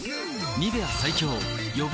「ニベア」最強予防